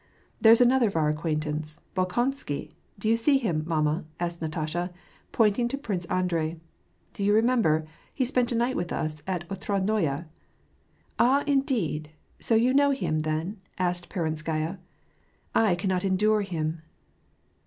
•" There's another of our acquaintance — Bolkonsky — do you see him, mamma ?" asked Natasha, pointing to Prince Andrei. " Do you remember ? he spent a night with us at Otradnoye." " Ah, indeed ! so you know him, then ?" asked Peronskaya. " I cannot endure him.